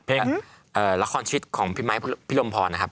ละครชีวิตของพี่ไม้พี่ลมพรนะครับ